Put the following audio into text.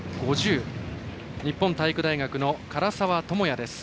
日本体育大学の柄澤智哉です。